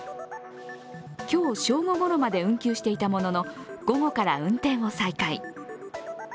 今日、正午ごろまで運休していたものの、午後から運転を再開。